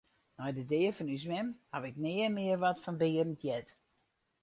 Nei de dea fan ús mem haw ik nea mear wat fan Berend heard.